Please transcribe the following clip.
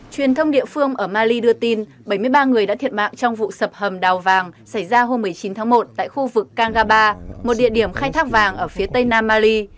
truyền thông địa phương ở mali đưa tin bảy mươi ba người đã thiệt mạng trong vụ sập hầm đào vàng xảy ra hôm một mươi chín tháng một tại khu vực kangaba một địa điểm khai thác vàng ở phía tây nam mali